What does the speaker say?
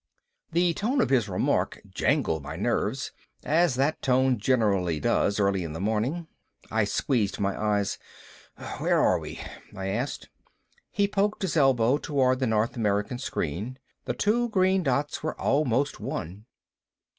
The tone of his remark jangled my nerves, as that tone generally does early in the morning. I squeezed my eyes. "Where are we?" I asked. He poked his elbow toward the North America screen. The two green dots were almost one.